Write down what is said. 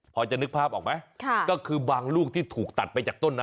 พอจะนึกภาพออกไหมก็คือบางลูกที่ถูกตัดไปจากต้นนั้น